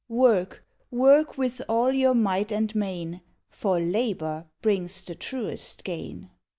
Work, work, with all your might and main, For labour brings the truest gain.